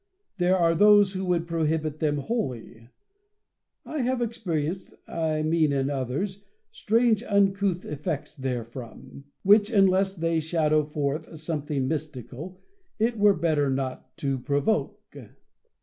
There are those who would prohibit them wholly. I have experienced — I mean in others — strange uncouth effects therefrom, which, unless they shadow forth something mystical, it were better not to provoke.